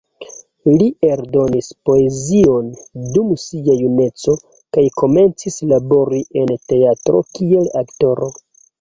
Li eldonis poezion dum sia juneco, kaj komencis labori en la teatro kiel aktoro.